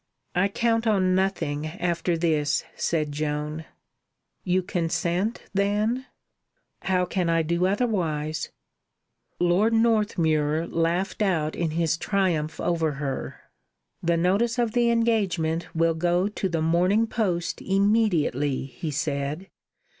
"I count on nothing after this," said Joan. "You consent, then?" "How can I do otherwise?" Lord Northmuir laughed out in his triumph over her. "The notice of the engagement will go to the Morning Post immediately," he said.